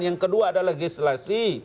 yang kedua adalah legislasi